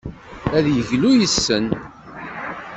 Ad yeglu yis-sen.